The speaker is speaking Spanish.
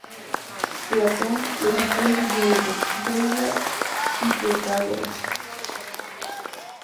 Platón lo citó en sus diálogos "Gorgias" y "Protágoras".